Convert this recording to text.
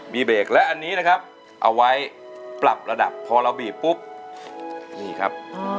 มีเบรกและอันนี้นะครับเอาไว้ปรับระดับพอเราบีบปุ๊บนี่ครับ